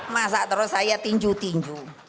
masa terus saya tinju tinju